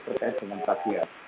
terkait dengan tagihan